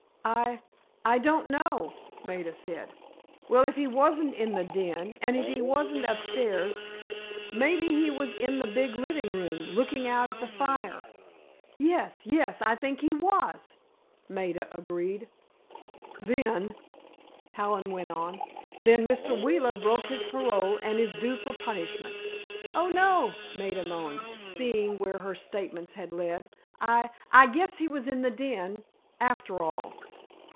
"I—I don't know," Maida said. "Well, if he wasn't in the den, and if he wasn't upstairs, maybe he was in the big living room, looking out at the fire." "Yes—yes, I think he was!" Maida agreed. "Then," Hallen went on, "then, Mr. Wheeler broke his parole—and is due for punishment." "Oh, no," Maida moaned, seeing where her statements had led. "I—I guess he was in the den—after all."